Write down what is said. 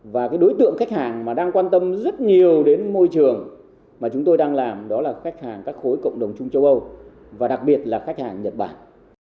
và cái đối tượng khách hàng mà đang quan tâm rất nhiều đến môi trường mà chúng tôi đang làm đó là khách hàng các khối cộng đồng chung châu âu và đặc biệt là khách hàng nhật bản